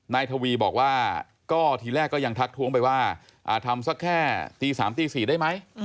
นายทวีบอกว่าก็ทีแรกก็ยังทักท้วงไปว่าทำสักแค่ตี๓ตี๔ได้ไหม